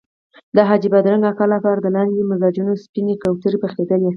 د حاجي بادرنګ اکا لپاره د لاندې مږانو سپینې کترې پخېدلې.